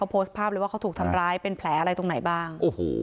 โพสต์ภาพเลยว่าเขาถูกทำร้ายเป็นแผลอะไรตรงไหนบ้าง